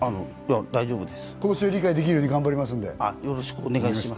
理解できるように頑張りますので。